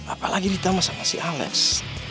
apalagi ditambah sama si alex